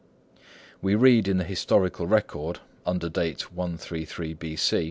We read in the Historical Record, under date 133 B.